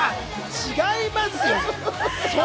違いますよ。